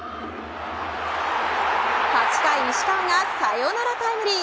８回、石川がサヨナラタイムリー